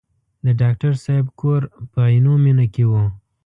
د ډاکټر صاحب کور په عینومېنه کې و.